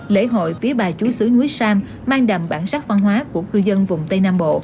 lễ hội phía bà chú sứ núi sam mang đầm bản sắc văn hóa của cư dân vùng tây nam bộ